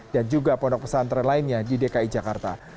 dan juga pondok pesantren lainnya di dki jakarta